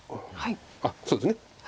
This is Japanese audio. あっそうですね。